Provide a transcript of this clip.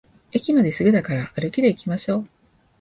駅まですぐだから歩きでいきましょう